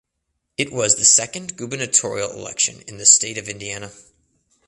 It was the second gubernatorial election in the State of Indiana.